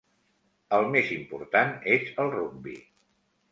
El més important és el rugbi.